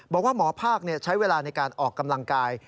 บอกว่าหมอภาคใช้เวลาในการออกกำลังกาย